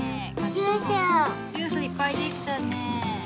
ジュースいっぱいできたねえ。